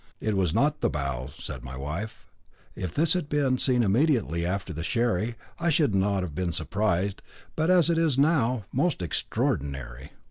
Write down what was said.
"It was not the bough," said my wife. "If this had been seen immediately after the sherry I should not have been surprised, but as it is now it is most extraordinary."